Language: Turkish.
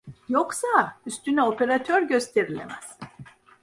Yoksa, üstüne operatör gösterilemez.